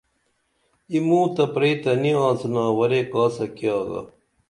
ای موں تہ پری تہ نی آڅِنا ورے کاسہ کی آگا